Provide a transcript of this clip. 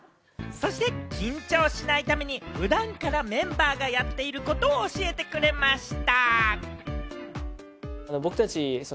そして緊張しないために普段からメンバーがやっていることを教えてくれました。